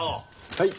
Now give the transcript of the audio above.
はい。